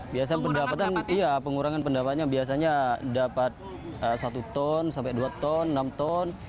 biasa pendapatan iya pengurangan pendapatnya biasanya dapat satu ton sampai dua ton enam ton